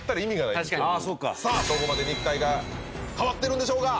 確かにさあどこまで肉体が変わってるんでしょうか？